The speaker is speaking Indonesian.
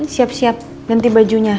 siap siap ganti bajunya